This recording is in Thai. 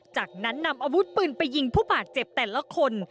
จากนั้นนำอาวุธปืนไปยิงผู้บาดเจ็บแต่ละคน